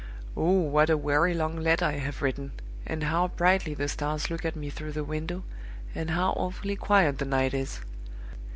Oh, what a weary, long letter I have written! and how brightly the stars look at me through the window, and how awfully quiet the night is!